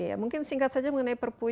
ya mungkin singkat saja mengenai perpu